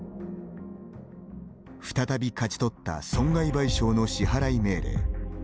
再び勝ち取った損害賠償の支払い命令。